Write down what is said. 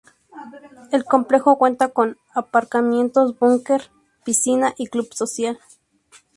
El complejo cuenta con aparcamiento, búnker, piscina y club social.